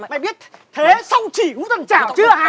mày biết thế xong chỉ hút thần chảo chưa hả